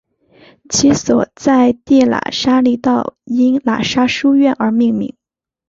其所在地喇沙利道因喇沙书院而命名。